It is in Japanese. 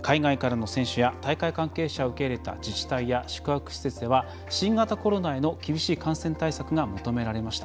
海外からの選手や大会関係者を受け入れた自治体や宿泊施設では新型コロナへの厳しい感染対策が求められました。